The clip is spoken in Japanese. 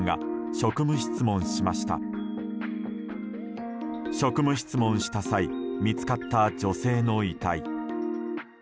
職務質問した際見つかった女性の遺体。